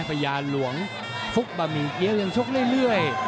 พญาหลวงฟุกบะหมี่เกี้ยวยังชกเรื่อย